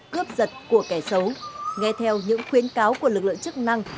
cướp giật của kẻ xấu nghe theo những khuyến cáo của lực lượng chức năng